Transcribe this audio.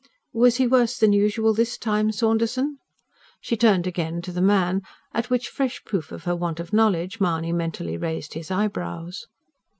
"Was he worse than usual this time, Saunderson?" she turned again to the man; at which fresh proof of her want of knowledge Mahony mentally raised his eyebrows.